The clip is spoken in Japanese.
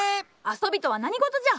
遊びとは何事じゃ！